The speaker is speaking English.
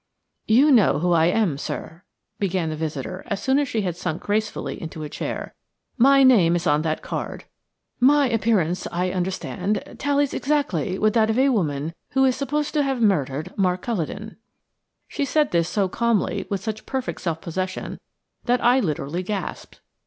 "You know who I am, sir," began the visitor as soon as she had sunk gracefully into a chair; "my name is on that card. My appearance, I understand, tallies exactly with that of a woman who is supposed to have murdered Mark Culledon." She said this so calmly, with such perfect self possession, that I literally gasped.